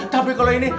tapi kalau ini